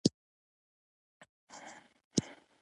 اووم څپرکی د امپریالیزم په اړه بحث کوي